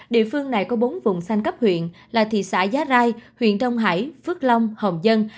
địa phương này có bốn vùng xanh cấp huyện là thị xã giá rai huyện đông hải phước long hòn dân